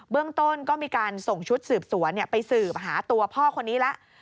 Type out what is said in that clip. เรื่องต้นก็มีการส่งชุดสืบสวนไปสืบหาตัวพ่อคนนี้แล้ว